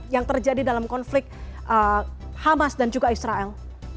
yang terjadi dalam konflik hamas dan juga israel